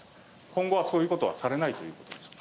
今後はそういうことはされないということですか。